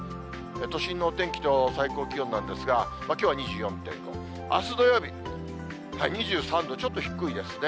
都心のお天気と最高気温なんですが、きょうは２４．５、あす土曜日、２３度、ちょっと低いですね。